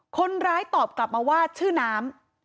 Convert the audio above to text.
คนร้ายตอบกลับมาว่าชื่อน้ำ